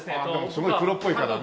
すごいプロっぽいからね。